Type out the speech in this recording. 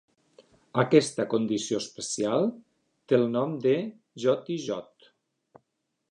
Aquesta condició especial té el nom de Joti Jot.